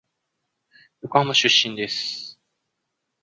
横浜出身です。